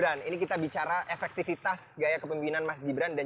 jadi kita bercerita tentang kemampuan kemampuan mas gibran